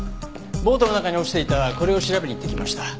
ボートの中に落ちていたこれを調べに行ってきました。